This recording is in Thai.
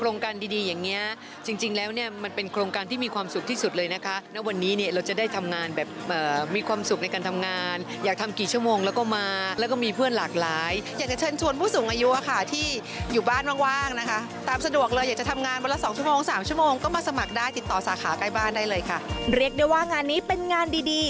เรียกได้ว่างานนี้เป็นงานดี